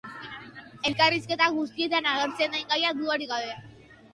Elkarrizketa guztietan agertzen den gaia, dudarik gabe.